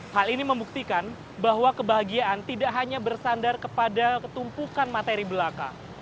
hal ini membuktikan bahwa kebahagiaan tidak hanya bersandar kepada ketumpukan materi belaka